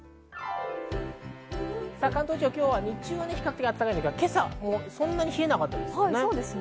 関東地方は日中は比較的暖かくて、今朝はそんなに冷えなかったですよね。